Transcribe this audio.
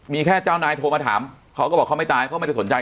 มีแค่เจ้านายโทรมาถามเขาก็บอกเขาไม่ตายเขาไม่ได้สนใจ